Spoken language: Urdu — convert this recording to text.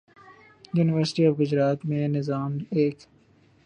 یونیورسٹی آف گجرات میں یہ نظام ایک